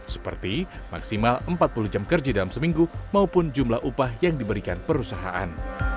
seperti maksimal empat puluh jam kerja dalam seminggu maupun jumlah upah yang diberikan perusahaan